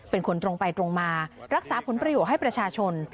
เป็นคนตรงไปตรงมารักษาผลประโยชน์ให้ประชาชน